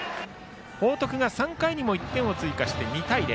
報徳が３回にも１点を追加して２対０。